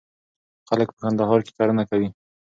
خلک په کندهار کي کرنه کوي.